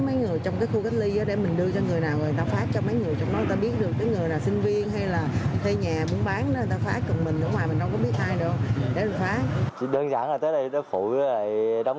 mấy bữa cách ly giờ em cũng nhờ các đoàn quỹ và quỹ ban